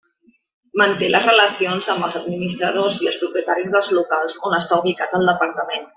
Manté les relacions amb els administradors i els propietaris dels locals on està ubicat el Departament.